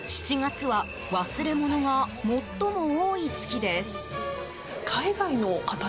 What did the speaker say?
７月は忘れ物が最も多い月です。